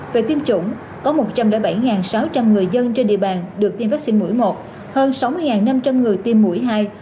về tiêm chủng có một trăm linh bảy sáu trăm linh người dân trên địa bàn được tiêm vaccine mũi một hơn sáu mươi năm trăm linh người tiêm mũi hai